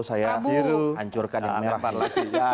oh itu saya hancurkan yang merah